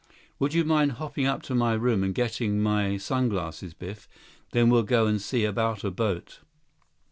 Would you mind hopping up to my room and getting my sun glasses, Biff? Then we'll go see about a boat."